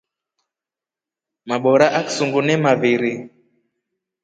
Mabora aksunguu nemaviiri.